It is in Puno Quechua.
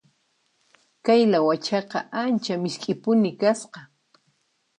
Kay lawachaqa ancha misk'ipuni kasqa.